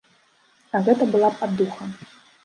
А гэта была б аддуха.